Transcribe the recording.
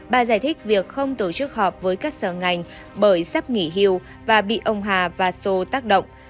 bà giải thích việc không tổ chức họp với các sở ngành bởi sắp nghỉ hưu và bị ông hà và xô tác động